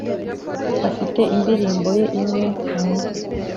Afite indirimbo ye imwe nkunda